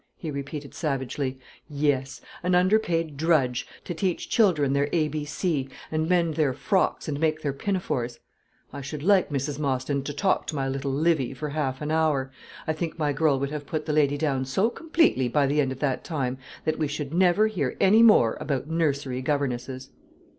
he repeated, savagely; "yes; an underpaid drudge, to teach children their A B C, and mend their frocks and make their pinafores. I should like Mrs. Mostyn to talk to my little Livy for half an hour. I think my girl would have put the lady down so completely by the end of that time, that we should never hear any more about nursery governesses."